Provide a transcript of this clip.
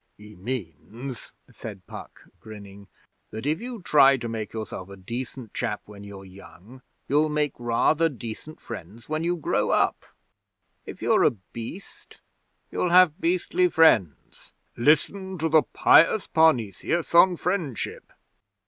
'He means,' said Puck, grinning, 'that if you try to make yourself a decent chap when you're young, you'll make rather decent friends when you grow up. If you're a beast, you'll have beastly friends. Listen to the Pious Parnesius on Friendship!'